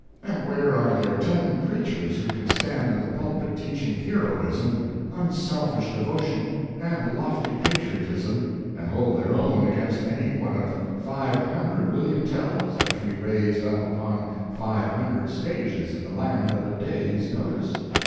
And where are there ten preachers who can stand in the pulpit teaching heroism, unselfish devotion, and lofty patriotism, and hold their own against any one of five hundred William Tells that can be raised up upon five hundred stages in the land at a day's notice?